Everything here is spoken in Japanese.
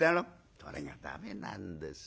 「それが駄目なんですよ。